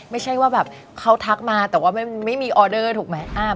ไม่ใช่ว่าแบบเขาทักมาแต่ว่าไม่มีออเดอร์ถูกไหม